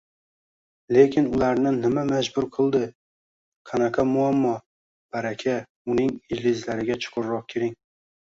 Lekin ularni nima majbur qildi? Qanaqa muammo? Baraka, uning ildizlariga chuqurroq kiring